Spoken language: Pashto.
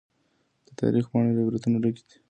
د تاريخ پاڼي له عبرتونو ډکي دي.